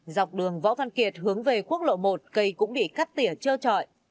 dọc đường võ văn kiệt hướng về quốc lộ một cây cũng bị cắt tỉa trơ trọi